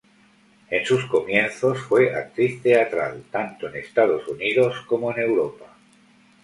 En sus comienzos fue actriz teatral, tanto en Estados Unidos como en Europa.